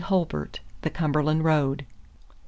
Hulbert, The Cumberland Road.